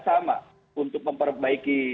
sama untuk memperbaiki